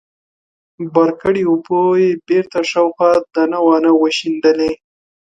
بار کړې اوبه يې بېرته شاوخوا دانه وانه وشيندلې.